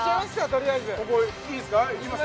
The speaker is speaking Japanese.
とりあえずここいいですかいきますか？